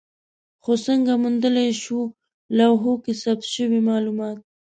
خو څنګه موندلای شو لوحو کې ثبت شوي مالومات؟